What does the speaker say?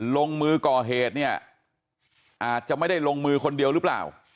ลงมือก่อเหตุเนี่ยอาจจะไม่ได้ลงมือคนเดียวหรือเปล่า